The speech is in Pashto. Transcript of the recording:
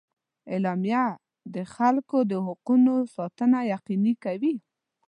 اعلامیه د خلکو د حقونو ساتنه یقیني کوي.